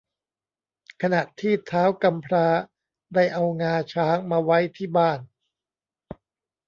ขณะที่ท้าวกำพร้าได้เอางาช้างมาไว้ที่บ้าน